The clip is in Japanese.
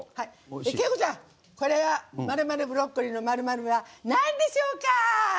景子ちゃん、これ「●●ブロッコリー」の●●はなんでしょうか？